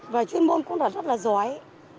về chuyên môn cũng là rất là giỏi